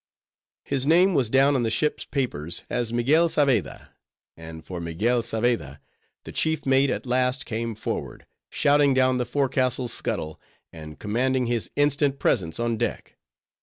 His name was down on the ship's papers as Miguel Saveda, and for Miguel Saveda the chief mate at last came forward, shouting down the forecastle scuttle, and commanding his instant presence on deck.